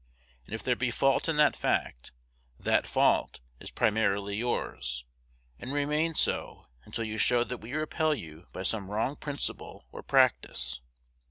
And if there be fault in that fact, that fault is primarily yours, and remains so until you show that we repel you by some wrong principle or practice.